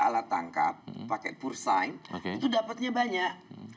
alat tangkap pakai pursain itu dapatnya banyak